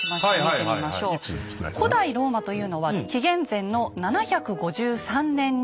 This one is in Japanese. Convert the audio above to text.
古代ローマというのは紀元前の７５３年に建国をしました。